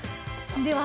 では